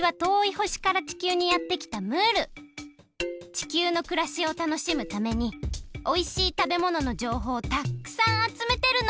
地球のくらしを楽しむためにおいしい食べもののじょうほうをたっくさんあつめてるの！